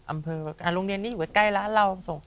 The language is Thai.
อำเภาะการโรงเรียนนี้อยู่ไว้ใกล้ร้านเรา